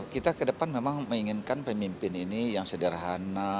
kita ke depan memang menginginkan pemimpin ini yang sederhana